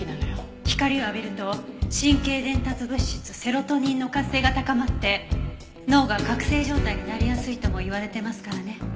光を浴びると神経伝達物質セロトニンの活性が高まって脳が覚醒状態になりやすいとも言われてますからね。